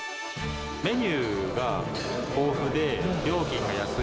メニューが豊富で料金が安い。